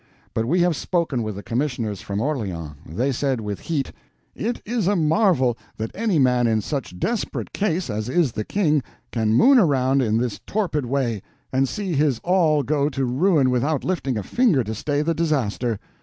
But we have spoken with the commissioners from Orleans. They said with heat: 'It is a marvel that any man in such desperate case as is the King can moon around in this torpid way, and see his all go to ruin without lifting a finger to stay the disaster.